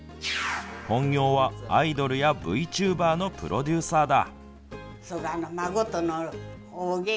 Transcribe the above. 本業はアイドルやＶＴｕｂｅｒのプロデューサーだ。